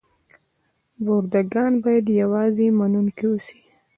برده ګان باید یوازې منونکي اوسي.